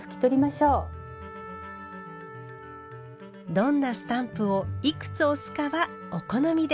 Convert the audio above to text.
どんなスタンプをいくつ押すかはお好みで。